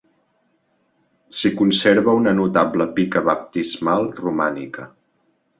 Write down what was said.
S'hi conserva una notable pica baptismal romànica.